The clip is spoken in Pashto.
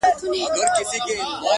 ځاى جوړاوه’